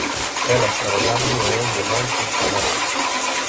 Elas traballando e eu de mans espanadas...